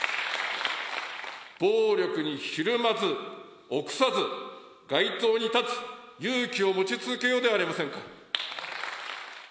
暴力にひるまず、臆さず、街頭に立つ勇気を持ち続けようではありませんか。